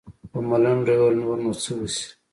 په ملنډو يې وويل نور نو څه وسي.